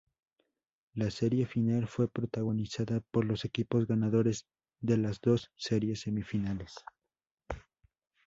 La serie final fue protagonizada por los equipos ganadores de las dos series semifinales.